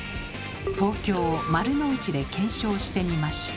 東京・丸の内で検証してみました。